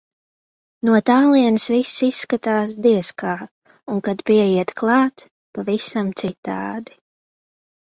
No tālienes viss izskatās, diez kā, un kad pieiet klāt - pavisam citādi.